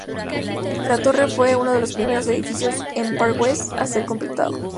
La torre fue uno de los primeros edificios en Park West a ser completado.